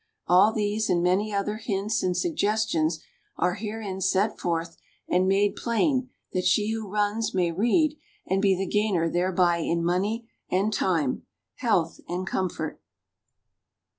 All these and many other hints and suggestions are herein set forth and made plain that she who runs may read, and be the gainer thereby in money and time, health and comfort.